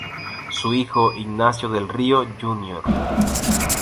Su hijo, Ignacio del Río Jr.